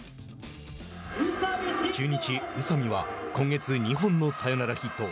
中日、宇佐見は今月、２本のサヨナラヒット。